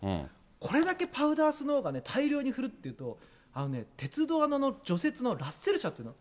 これだけパウダースノーが大量に降るっていうと、鉄道の除雪のラッセル車っていうの？